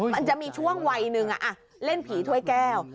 มันจะมีช่วงวัยหนึ่งเล่นผีถ้วยแก้ว